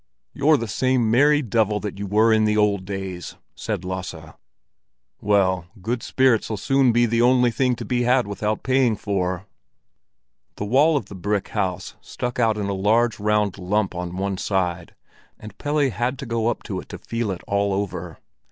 "You're the same merry devil that you were in the old days," said Lasse. "Well, good spirits'll soon be the only thing to be had without paying for." The wall of the house stuck out in a large round lump on one side, and Pelle had to go up to it to feel it all over.